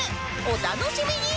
お楽しみに！